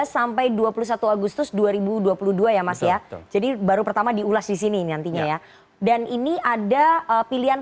sampai dua puluh satu agustus dua ribu dua puluh dua ya mas ya jadi baru pertama diulas disini nantinya ya dan ini ada pilihan